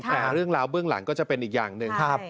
แต่เรื่องราวเบื้องหลังก็จะเป็นอีกอย่างหนึ่ง